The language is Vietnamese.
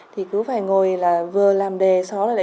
thì cứ phải ngồi là vừa làm đề xóa